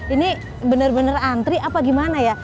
ini bener bener antri apa gimana ya